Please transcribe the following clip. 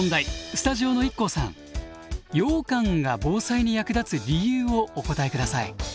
スタジオのＩＫＫＯさんようかんが防災に役立つ理由をお答え下さい。